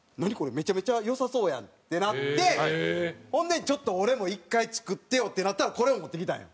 めちゃめちゃ良さそうやん」ってなってほんでちょっと俺も１回作ってよってなったらこれを持ってきたんよ。